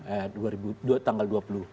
eh tanggal dua puluh